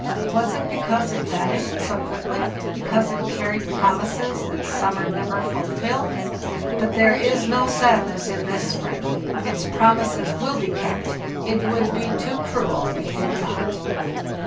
Was it because it vanished so quickly, because it carried promises that summer never fulfilled? But there is no sadness in this spring; its promises will be kept; it would be too cruel if they were not."